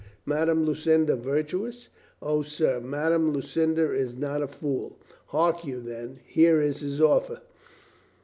Madame Lucinda virtuous?" "O, sir, Madame Lucinda is not a fool. Hark you, then, here is his offer.